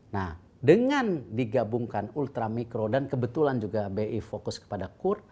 nah dengan digabungkan ultra mikro dan kebetulan juga bri fokus kepada kur